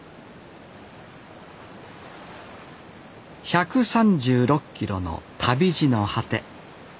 １３６キロの旅路の果て。